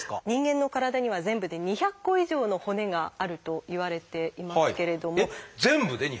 人間の体には全部で２００個以上の骨があるといわれていますけれども。